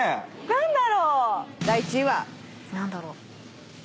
何だろう？